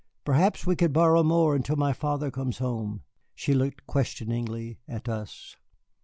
Perhaps we could borrow more until my father comes home." She looked questioningly at us.